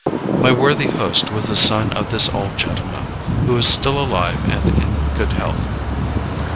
My worthy host was the son of this old gentleman, who is still alive and in good health.